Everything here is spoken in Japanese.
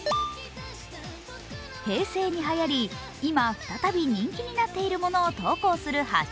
平成にはやり、今、再び人気になっているものを投稿する＃